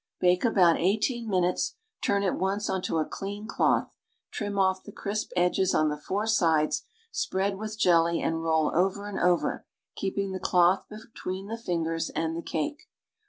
Bake about eighteen minutes, turn at once onto a clean cloth, trim off the crisp edges on the four sides, spread with jelly and roll over and over, keeping the cloth between the fingers and the cake.